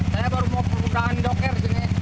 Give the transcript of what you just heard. saya baru mau perbukaan doker